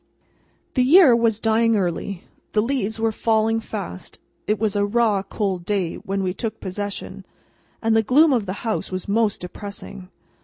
The year was dying early, the leaves were falling fast, it was a raw cold day when we took possession, and the gloom of the house was most depressing.